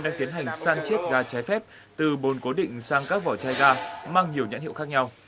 đang tiến hành san chiết ga trái phép từ bồn cố định sang các vỏ chai ga mang nhiều nhãn hiệu khác nhau